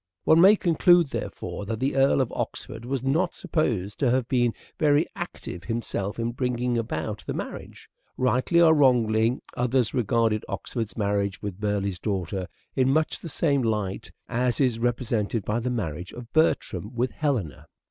One may conclude, therefore, that the Earl of Oxford was not supposed to have been very active himself in bringing'about the marriage. Rightly or wrongly others ^regarded Oxford's marriage with Burleigh's daughter in much the same EARLY MANHOOD OF EDWARD DE VERE 255 light as is represented by the marriage of Bertram with Helena.